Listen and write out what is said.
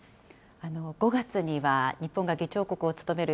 ５月には日本が議長国を務める